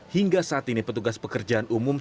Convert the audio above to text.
hingga saat ini petugas pekerjaan umum